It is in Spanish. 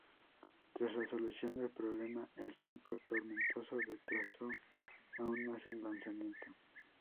Tras la solución del problema, el tiempo tormentoso retrasó aún más el lanzamiento.